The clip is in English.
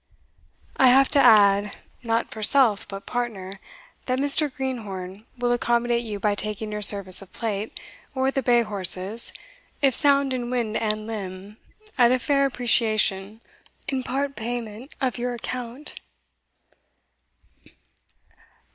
"I have to add (not for self but partner) that Mr. Greenhorn will accommodate you by taking your service of plate, or the bay horses, if sound in wind and limb, at a fair appreciation, in part payment of your accompt."